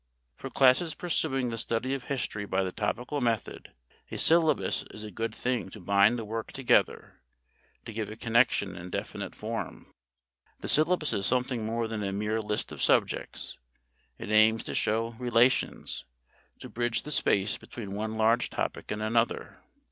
For classes pursuing the study of history by the topical method a syllabus is a good thing to bind the work together, to give it connection and definite form. The syllabus is something more than a mere list of subjects; it aims to show relations, to bridge the space between one large topic and another.